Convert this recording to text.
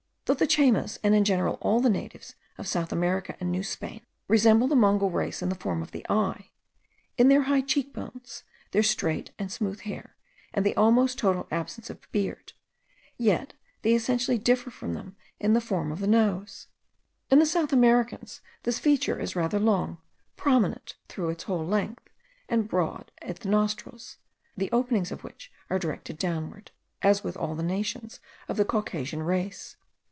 Though the Chaymas, and in general all the natives of South America and New Spain, resemble the Mongol race in the form of the eye, in their high cheek bones, their straight and smooth hair, and the almost total absence of beard; yet they essentially differ from them in the form of the nose. In the South Americans this feature is rather long, prominent through its whole length, and broad at the nostrils, the openings of which are directed downward, as with all the nations of the Caucasian race.